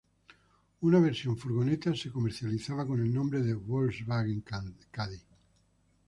Una versión furgoneta se comercializa con el nombre de Volkswagen Caddy.